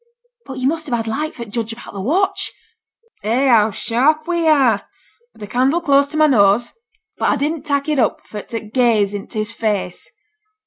'But yo' must have had light for t' judge about the watch.' 'Eh! how sharp we are! A'd a candle close to my nose. But a didn't tak' it up for to gaze int' his face.